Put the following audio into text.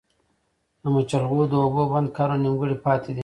د مچلغو د اوبو بند کارونه نيمګړي پاتې دي